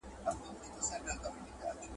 ډیپلوماټانو به نړیوال اصول منلي وي.